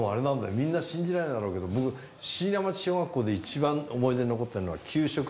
みんな信じられないだろうけど僕椎名町小学校で一番思い出に残ってるのは給食で。